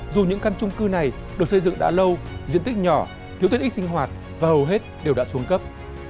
dù những căn trung cư này được xây dựng đã lâu diện tích nhỏ thiếu tiết ít sinh hoạt và hầu hết đều đã xuống cấp